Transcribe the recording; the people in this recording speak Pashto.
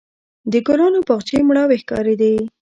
د ګلانو باغچې مړاوې ښکارېدې.